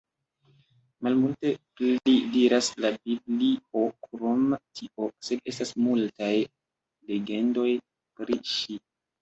Malmulte pli diras la Biblio krom tio, sed estas multaj legendoj pri ŝi.